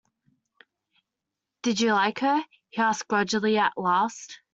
“Did you like her?” he asked grudgingly at last.